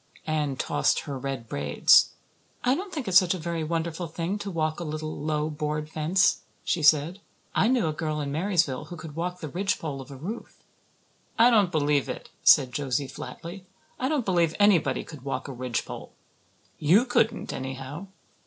Anne tossed her red braids. "I don't think it's such a very wonderful thing to walk a little, low, board fence," she said. "I knew a girl in Marysville who could walk the ridgepole of a roof." "I don't believe it," said Josie flatly. "I don't believe anybody could walk a ridgepole. You couldn't, anyhow."